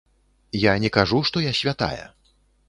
Я не кажу, што я святая.